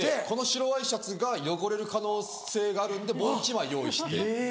この白ワイシャツが汚れる可能性があるんでもう１枚用意して。